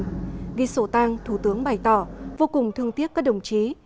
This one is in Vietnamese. thủ tướng nguyễn xuân phúc đã ghi sổ tăng thủ tướng bày tỏ vô cùng thương tiếc các đồng chí